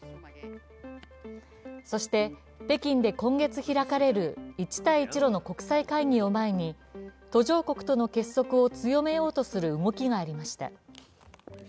そして、北京で今月開かれる一帯一路の国際会議を前に、途上国との結束を強めようとする動きがありました。